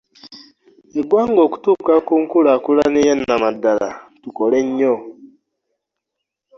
Eggwanga okutuuka ku nkulaakulana eya nnamaddala, tukole nnyo.